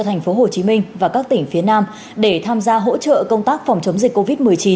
thành phố hồ chí minh và các tỉnh phía nam để tham gia hỗ trợ công tác phòng chống dịch covid một mươi chín